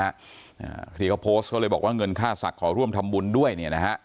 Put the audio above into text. อ่าที่เขาโพสต์เขาเลยบอกว่าเงินค่าศักดิ์ขอร่วมทำบุญด้วยเนี่ยนะฮะ